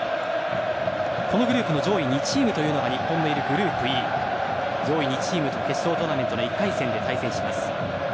このグループの上位２チームが日本のいるグループＥ上位２チームと決勝トーナメント１回戦で対戦します。